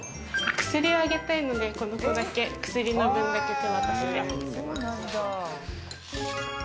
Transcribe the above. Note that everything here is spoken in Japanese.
薬をあげてるので、この子だけ薬の分だけ手渡しであげてます。